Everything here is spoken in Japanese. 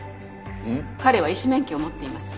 彼は医師免許を持っています。